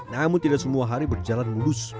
namun tidak semua hari berjalan mulus